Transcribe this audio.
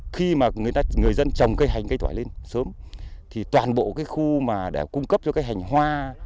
khi mà người dân trồng cây hành cây thoải lên sớm thì toàn bộ khu để cung cấp cho cái hành hoa